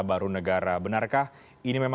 zairah far benefits